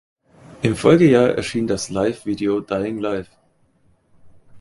Im Folgejahr erschien das Live-Video "Dying Live".